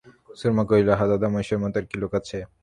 সুরমা কহিল, আহা, দাদামহাশয়ের মতো কি আর লোক আছে।